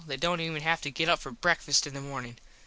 They dont even have to get up for breakfast in the morning.